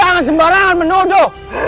jangan sembarangan menodo